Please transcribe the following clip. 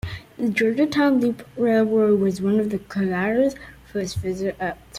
The Georgetown Loop Railroad was one of Colorado's first visitor attractions.